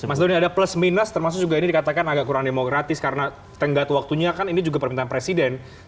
mas doni ada plus minus termasuk juga ini dikatakan agak kurang demokratis karena tenggat waktunya kan ini juga permintaan presiden